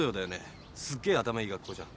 すっげえ頭いい学校じゃん。